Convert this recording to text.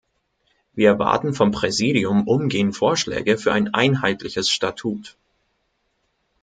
Wir erwarten vom Präsidium umgehend Vorschläge für ein einheitliches Statut.